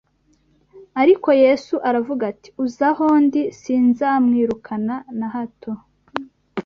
ariko Yesu aravuga ati: « uza aho ndi sinzamwirukana na hato